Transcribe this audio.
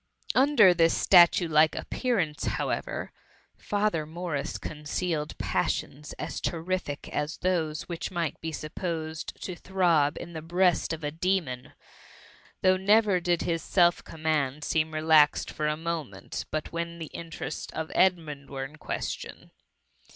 Under this statue^like appearance, however, Father Morris concealed passions as terrific as those which might be supposed to throb in the breast of a demon : though never did his self command seem relaxed for a moment, but when the interests of Edmund were in ques tion.